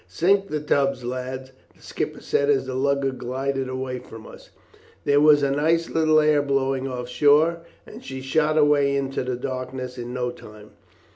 'Sink the tubs, lads,' the skipper said as the lugger glided away from us. There was a nice little air blowing off shore, and she shot away into the darkness in no time.